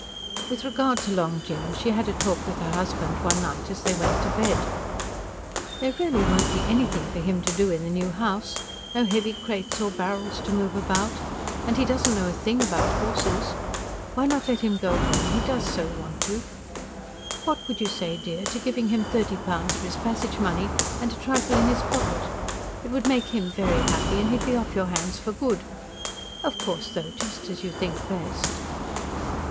With regard to Long Jim, she had a talk with her husband one night as they went to bed. "There really won't be anything for him to do in the new house. No heavy crates or barrels to move about. And he doesn't know a thing about horses. Why not let him go home? he does so want to. What would you say, dear, to giving him thirty pounds for his passage money and a trifle in his pocket? It would make him very happy, and he'd be off your hands for good. Of course, though, just as you think best."